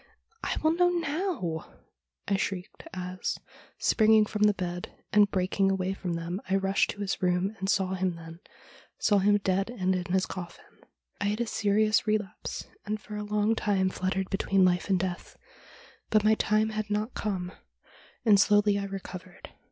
'" I will know now," I shrieked, as, springing from the bed and breaking away from them, I rushed to his room, and saw him then — saw him dead and in his coffin. ' I had a serious relapse, and for a long time fluttered between life and death. But my time had not come, and THE DREAM THAT CAME TRUE 229 slowly I recovered.